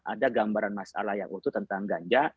ada gambaran masalah yang utuh tentang ganja